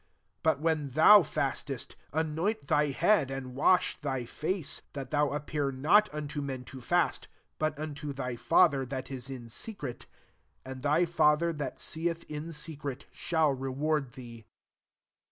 17 But when thou fast est, anoint thy head, and wash thy face ; 18 that thou appear not unto men to fast, but unto thy Father that is in secret : and thy Father that seeth in secret shall reward thee.